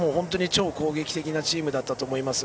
超攻撃的なチームだったと思います。